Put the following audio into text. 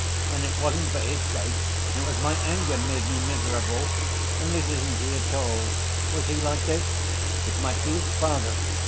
And it wasn't for his sake, it was my anger made me miserable. And this isn't he at all! Was he like this? It might be his father!